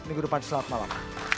minggu depan selamat malam